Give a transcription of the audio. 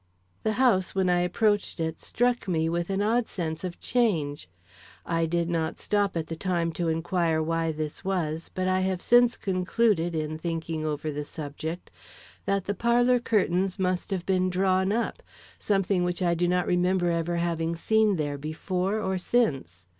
The house, when I approached it, struck me with an odd sense of change. I did not stop at the time to inquire why this was, but I have since concluded, in thinking over the subject, that the parlor curtains must have been drawn up, something which I do not remember ever having seen there before or since.